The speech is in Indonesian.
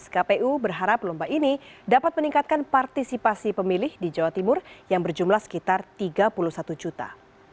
kpu berharap lomba ini dapat meningkatkan partisipasi pemilih di jawa timur yang berjumlah sekitar tiga puluh satu juta